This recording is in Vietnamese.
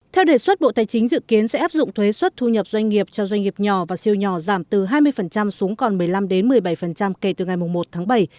theo đề xuất bộ tài chính dự kiến sẽ áp dụng thuế xuất thu nhập doanh nghiệp cho doanh nghiệp nhỏ và siêu nhỏ giảm từ hai mươi xuống còn một mươi năm một mươi bảy kể từ ngày một tháng bảy